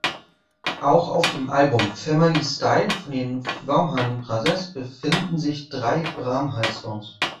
Auch auf dem Album "Family Style" von den Vaughan Brothers befinden sich drei Bramhall-Songs.